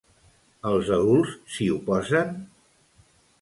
Els adults s'hi oposen?